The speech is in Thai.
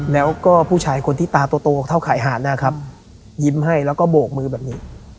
แล้วก็ผู้ชายคนที่ตาโตเท่าขายหาดนะครับยิ้มให้แล้วก็โบกมือแบบนี้